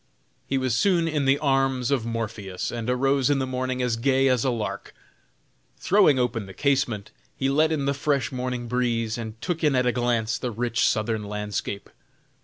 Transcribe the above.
He was soon in the arms of Morpheus, and arose in the morning as gay as a lark. Throwing open the casement, he let in the fresh morning breeze and took in at a glance the rich Southern landscape.